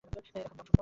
এখন দাম শূন্য।